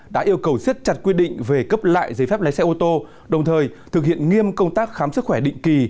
đã yêu cầu siết chặt quy định về cấp lại giấy phép lái xe ô tô đồng thời thực hiện nghiêm công tác khám sức khỏe định kỳ